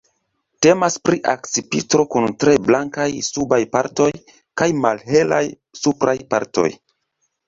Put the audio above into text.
Temas pri akcipitro kun tre blankaj subaj partoj kaj malhelaj supraj partoj.